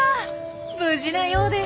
無事なようです。